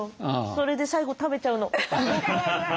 それで最後食べちゃうの。